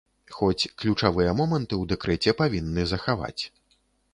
Хоць ключавыя моманты ў дэкрэце павінны захаваць.